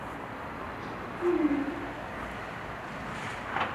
Úspěšnost proti živé síle a motorovým vozidlům protivníka byla však dostatečná.